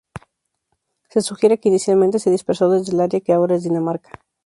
Se sugiere que inicialmente se dispersó desde el área que ahora es Dinamarca.